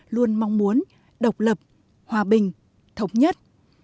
luôn mong muốn độc lập hòa bình thống nhất